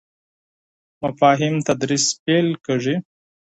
مفاهیم تدریس پیل کیږي.